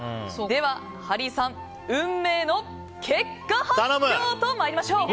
では、ハリーさん運命の結果発表と参りましょう。